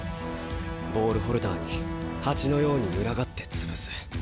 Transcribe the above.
ボールホルダーに蜂のように群がって潰す。